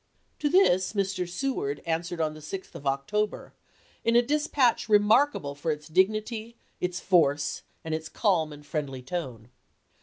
To this Mr. Seward answered on the 6th of Octo ber, in a dispatch remarkable for its dignity, its ises. force, and its calm and friendly tone.